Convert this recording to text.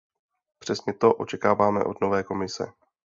Přesně to očekáváme od nové Komise.